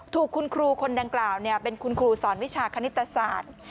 ถูกคุณครูคนดังกล่าวเป็นคุณครูสอนวิชาคณิตศาสตร์